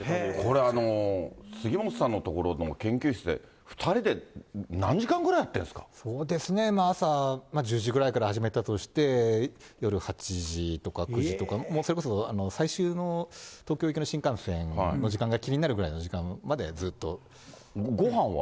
これ、杉本さんのところの研究室で２人で何時間ぐらいやってそうですね、朝１０時ぐらいから始めたとして、夜８時とか９時とか、それこそ最終の東京行きの新幹線の時間が気になるぐらいの時間まご飯は？